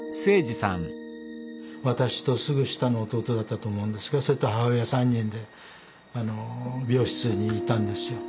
私とすぐ下の弟だったと思うんですがそれと母親３人で病室に行ったんですよ。